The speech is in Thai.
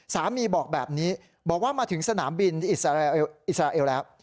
สามีบอกแบบนี้บอกว่ามาถึงสนามบินอิสราเอลแล้ว